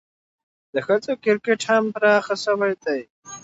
د ښځو کرکټ هم پراخه سوی دئ.